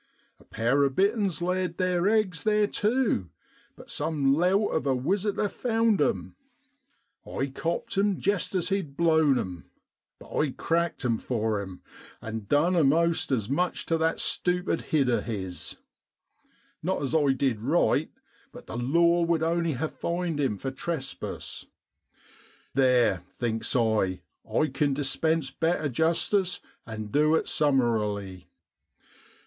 A pair of bitterns laid theer eggs there tu, but some lout of a wisi tor found 'em. I copt him jest as he'd blown 'em. But I cracked 'em for 'im, and done a'most as much tu that stupid head of his. Not as I did right, but the law would only ha' fined him for trespass. Theer, thinks I, I can dispense better justice, and du it summarily.